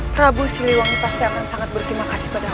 prabu siliwangi pasti akan sangat berterima kasih pada